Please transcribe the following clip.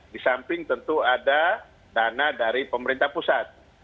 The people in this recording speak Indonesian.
di samping tentu ada dana dari pemerintah pusat